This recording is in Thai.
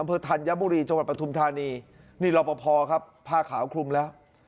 อำเภอทันยะบุรีจังหวัดประทุมธานีนี่รอปภครับผ้าขาวคลุมแล้ว